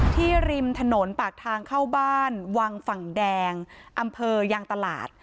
ริมถนนปากทางเข้าบ้านวังฝั่งแดงอำเภอยางตลาด